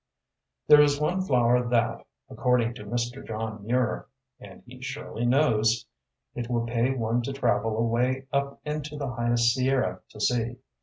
There is one flower that, according to Mr. John Muir (and he surely knows!), it will pay one to travel away up into the highest Sierra to see.